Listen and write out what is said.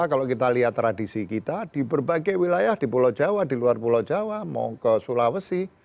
kalau kita lihat tradisi kita di berbagai wilayah di pulau jawa di luar pulau jawa mau ke sulawesi